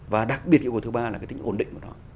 và đặc biệt yêu cầu thứ ba là cái tính ổn định của nó